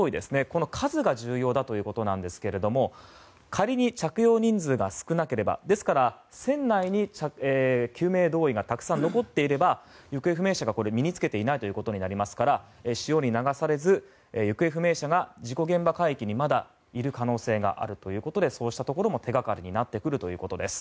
この数が重要だということなんですが仮に、着用人数が少なければですから、船内に救命胴衣がたくさん残っていれば行方不明者が身に着けていないということになりますから潮に流されず、行方不明者が事故現場海域にまだいる可能性があるということでそうしたところも手掛かりになってくるということです。